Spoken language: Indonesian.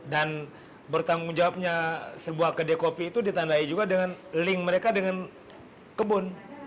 dan bertanggung jawabnya sebuah kedai kopi itu ditandai juga dengan link mereka dengan kebun